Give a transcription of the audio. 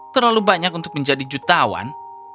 terlalu banyak untuk menjadi jutawan